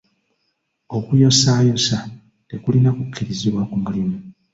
Okuyosaayosa tekulina kukkirizibwa ku mulimu.